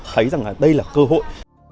thấy rằng là đây là cơ hội